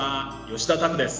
吉田拓です。